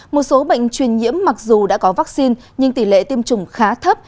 một số bệnh truyền nhiễm mặc dù đã có vaccine nhưng tỷ lệ tiêm chủng khá thấp